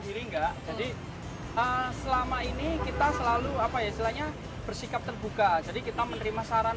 diri enggak jadi selama ini kita selalu apa ya istilahnya bersikap terbuka jadi kita menerima saran